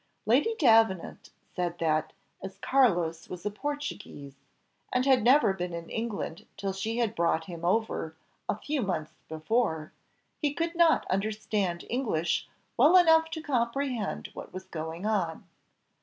Lady Davenant said that, as Carlos was a Portuguese, and had never been in England till she had brought him over, a few months before, he could not understand English well enough to comprehend what was going on.